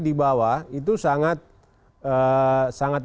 di bawah itu sangat